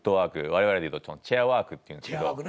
我々でいうとチェアワークっていうんですけど。